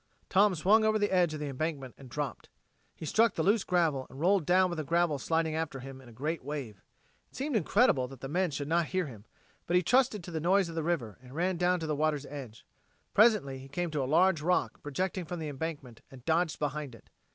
Tom swung over the edge of the embankment and dropped. He struck the loose gravel and rolled down with the gravel sliding after him in a great wave. It seemed incredible that the men should not hear him, but he trusted to the noise of the river and ran down along the water's edge. Presently he came to a large rock projecting from the embankment and dodged behind it.